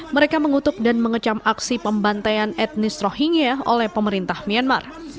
mereka mengutuk dan mengecam aksi pembantaian etnis rohingya oleh pemerintah myanmar